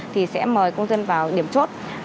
thì sẽ mời công dân vào điểm chốt